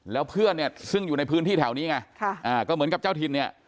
แล้วเพื่อนเนี่ยซึ่งอยู่ในพื้นที่แถวนี้ไงก็เหมือนกับเจ้าถิ่นเนี่ย